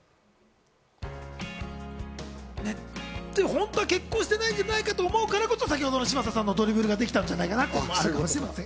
本当は結婚してないんじゃないかと思うからこそ、先ほどの嶋佐さんのドリブルができたんじゃないかなと。